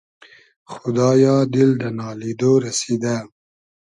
خودایا دیل دۂ نالیدۉ رئسیدۂ